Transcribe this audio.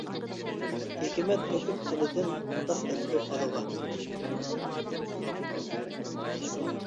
ھېكمەت تۆكۈپ تىلىدىن، مۇنداق دەپتۇ بالىغا.